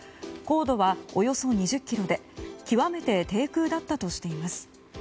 高度はおよそ２０ｋｍで極めて低空だったとしています。